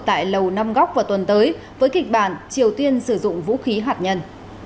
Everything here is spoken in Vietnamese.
tại lầu năm góc vào tuần tới với kịch bản triều tiên sử dụng vũ khí hạt nhân